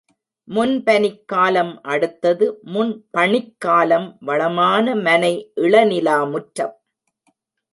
முன்பனிக் காலம் அடுத்தது முன்பணிக் காலம் வளமான மனை இளநிலா முற்றம்.